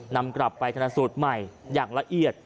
นำกลับไปธนสูตรใหม่อย่างละเอียด